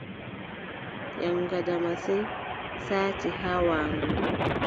Yaŋgada masin, saati haa waandu.